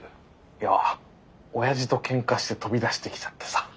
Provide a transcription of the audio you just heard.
いやおやじとケンカして飛び出してきちゃってさ。